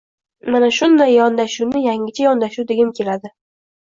Mana shunday yondashuvni yangicha yondashuv degim keladi.